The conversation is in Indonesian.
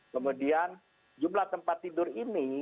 kemudian jumlah tempat tidur ini